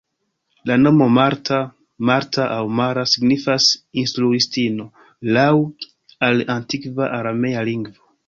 La nomo "Marta", "Martha" aŭ "Mara" signifas "instruistino", laŭ al antikva aramea lingvo.